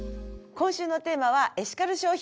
今週のテーマは「エシカル消費」。